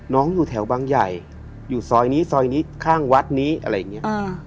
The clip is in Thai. อยู่แถวบางใหญ่อยู่ซอยนี้ซอยนี้ข้างวัดนี้อะไรอย่างนี้